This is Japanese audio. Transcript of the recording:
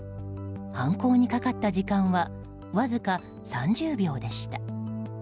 犯行にかかった時間はわずか３０秒でした。